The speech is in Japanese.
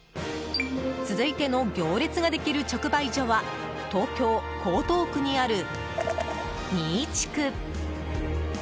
続いての行列ができる直売所は東京・江東区にあるニイチク。